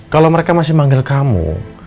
kalau mereka masih manggil kamu